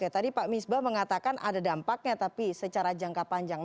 tadi pak misbah mengatakan ada dampaknya tapi secara jangka panjang